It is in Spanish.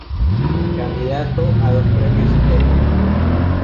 Candidato a dos Premios Emmy.